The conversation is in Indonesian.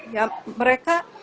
ya mereka bisa berinfeksi